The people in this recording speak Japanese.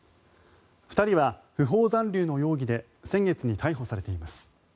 ２人は不法残留の容疑で先月に逮捕されています。